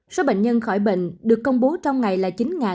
số bệnh nhân khỏi bệnh được công bố trong ngày là chín